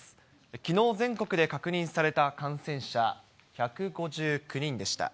きのう全国で確認された感染者１５９人でした。